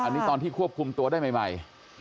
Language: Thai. อันนี้ตอนที่ควบคุมตัวได้ใหม่